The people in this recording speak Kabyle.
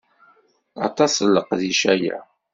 Aṭas n leqdic aya.